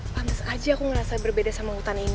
pames aja aku ngerasa berbeda sama hutan ini